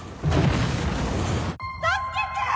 助けて！